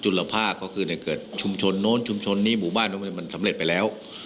ลภาคก็คือเกิดชุมชนโน้นชุมชนนี้หมู่บ้านโน้นมันสำเร็จไปแล้ว